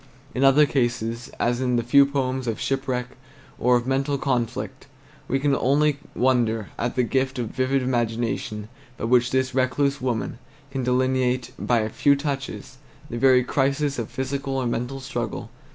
In other cases, as in the few poems of shipwreck or of mental conflict, we can only wonder at the gift of vivid imagination by which this recluse woman can delineate, by a few touches, the very crises of physical or mental struggle.